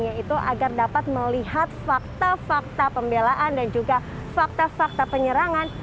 yaitu agar dapat melihat fakta fakta pembelaan dan juga fakta fakta penyerangan